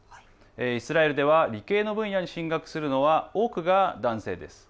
イスラエルでは理系の分野に進学するのは多くが男性です。